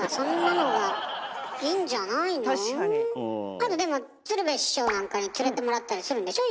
あなたでも鶴瓶師匠なんかに連れてもらったりするんでしょ？